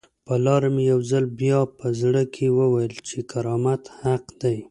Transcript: پر لاره مې یو ځل بیا په زړه کې وویل چې کرامت حق دی.